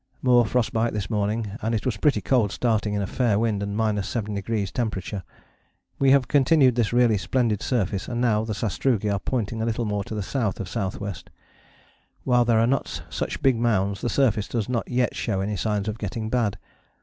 More frost bite this morning, and it was pretty cold starting in a fair wind and 7° temperature. We have continued this really splendid surface, and now the sastrugi are pointing a little more to the south of S.W. While there are not such big mounds, the surface does not yet show any signs of getting bad.